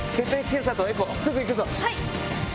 はい！